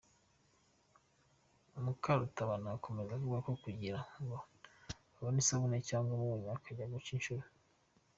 Mukarutabana akomeza avuga ko kugira ngo abone isabune cyangwa umunyu ajya guca inshuro.